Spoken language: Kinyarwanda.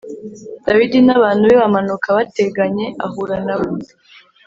Dawidi n’abantu be bamanuka bateganye, ahura na bo.